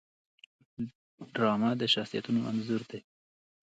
ډرامه د شخصیتونو انځور دی